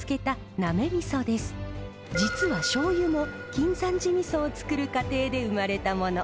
実はしょうゆも径山寺みそをつくる過程で生まれたもの。